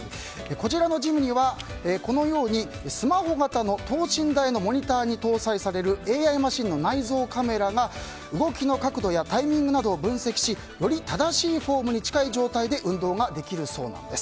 こちらのジムにはこのようにスマホ型の等身大のモニターに搭載されるＡＩマシンの内蔵カメラが動きのタイミングや角度などを分析しより正しいフォームに近い状態で運動ができるそうです。